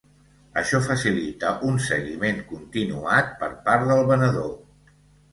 Això facilita un seguiment continuat per part del venedor.